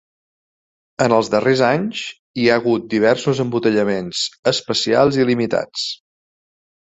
En els darrers anys hi ha hagut diversos embotellaments especials i limitats.